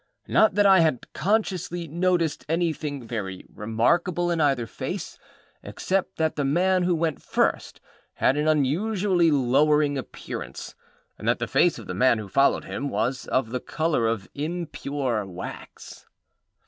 Not that I had consciously noticed anything very remarkable in either face, except that the man who went first had an unusually lowering appearance, and that the face of the man who followed him was of the colour of impure wax.